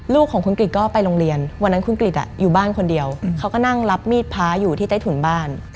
ลูกของคุณกริจก็ไปโรงเรียนวันนั้นคุณกริจอยู่บ้านคนเดียวเขาก็นั่งรับมีดพระอยู่ที่ใต้ถุนบ้าน